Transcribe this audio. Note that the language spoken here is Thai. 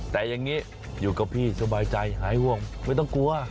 แต่อย่างนี้อยู่กับพี่สบายใจหายห่วงไม่ต้องกลัว